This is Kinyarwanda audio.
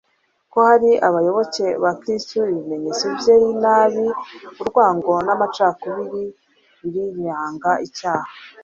ko ari abayoboke ba kristu.ibimenyetso by'inabi, urwango n'amacakubiri biriranga. icyaha